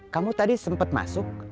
kamu tadi sempet masuk